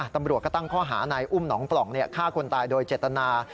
ตำรวจก็ตั้งข้อหานายอุ้มหนองปล่องฆ่าคนตายโดยเจตนา